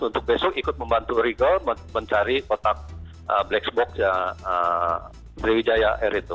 untuk besok ikut membantu rigo mencari kotak black spock yang dewi jaya r itu